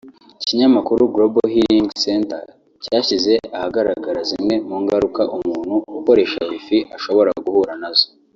Ikinyamakuru Global Healing Center cyashyize ahagaragara zimwe mu ngaruka umuntu ukoresha Wi-Fi ashobora guhura nazo